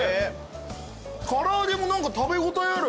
唐揚げも何か食べ応えある。